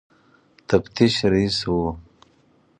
تفتیش رییس وو.